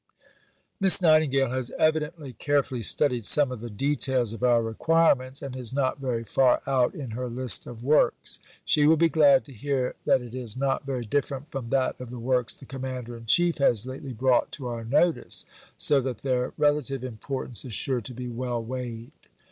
Miss Nightingale has evidently carefully studied some of the details of our requirements, and is not very far out in her list of works. She will be glad to hear that it is not very different from that of the works the Commander in Chief has lately brought to our notice, so that their relative importance is sure to be well weighed.